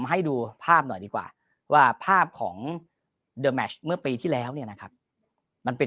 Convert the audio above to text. ให้ดูภาพหน่อยดีกว่าว่าภาพของเมื่อปีที่แล้วมันเป็น